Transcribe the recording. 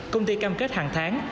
công ty cam kết hàng tháng